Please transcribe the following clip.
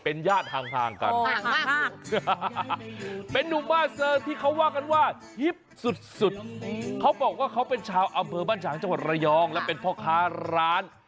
โอ้โหเป็นอะไรกับแจ็คสแปรรั่วเป็นอะไร